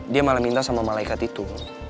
dia malah minta sama malaikat itu